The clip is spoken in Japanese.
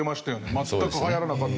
全く流行らなかった。